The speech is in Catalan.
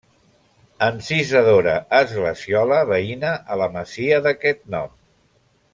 Encisadora esglesiola veïna a la masia d'aquest nom.